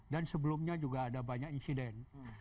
dan sebelumnya juga ada banyak insiden